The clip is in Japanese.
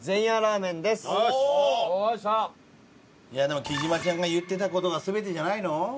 でも貴島ちゃんが言ってた事が全てじゃないの？